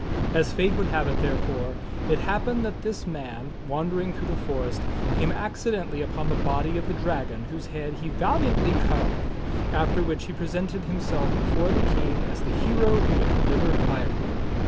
As fate would have it therefore, it hap pened that this man, wandering through the forest, came accidentally upon the body of the dragon whose head he valiantly cut off, after which he presented himself before the King as the hero who had delivered Ireland.